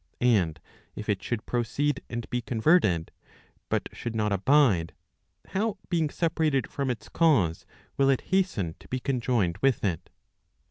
And if it should proceed and be converted, but should not abide, how being separated from its cause will it hasten to be conjoined with it